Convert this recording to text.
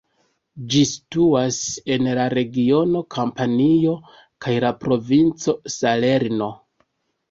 Ĝi situas en la regiono Kampanio kaj la provinco Salerno.